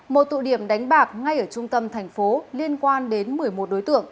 một tụ điểm đánh bạc ngay ở trung tâm thành phố liên quan đến một mươi một đối tượng